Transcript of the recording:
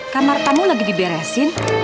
kamar tamu lagi diberesin